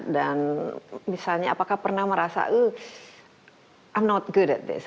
dan misalnya apakah pernah merasa i'm not good at this